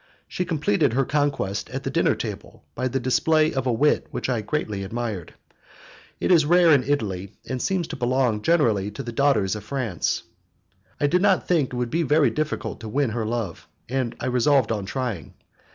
She completed her conquest at the dinner table by the display of a wit which I greatly admired. It is rare in Italy, and seems to belong generally to the daughters of France. I did not think it would be very difficult to win her love, and I resolved on trying.